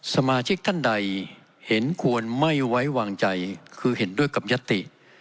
สมาชิกท่านใดเห็นควรไม่ไว้วางใจคือเห็นด้วยกับยติ